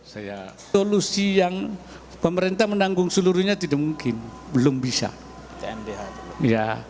saya solusi yang pemerintah menanggung seluruhnya tidak mungkin belum bisa